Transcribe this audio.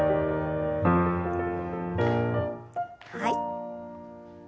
はい。